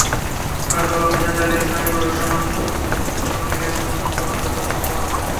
বারবার অভিযান চালিয়েও স্থানীয় প্রশাসন চলনবিলের জলজসম্পদ রক্ষা করতে পারছে না।